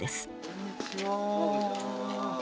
こんにちは。